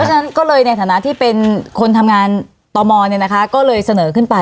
ฉะนั้นก็เลยในฐานะที่เป็นคนทำงานตมก็เลยเสนอขึ้นไป